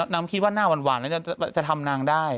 คิดว่าหน้าหวานแล้วจะทำนางได้